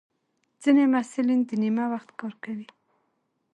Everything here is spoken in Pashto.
ځینې محصلین د نیمه وخت کار کوي.